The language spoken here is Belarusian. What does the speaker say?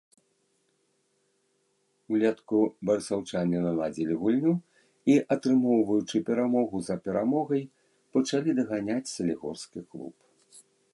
Улетку барысаўчане наладзілі гульню, і, атрымоўваючы перамогу за перамогай, пачалі даганяць салігорскі клуб.